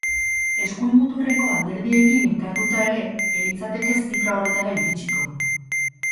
Eskuin-muturreko alderdiekin elkartuta ere, elitzateke zifra horretara iritsiko.